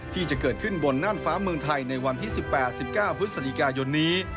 ที่จะเกิดขึ้นบนน่านฟ้าเมืองไทยในวันที่๑๘๑๙พฤศจิกายนนี้